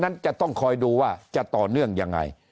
นั้นจะต้องคอยดูว่าจะต่อเนื่องยังไง